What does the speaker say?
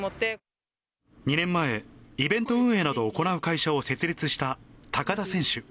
２年前、イベント運営などを行う会社を設立した高田選手。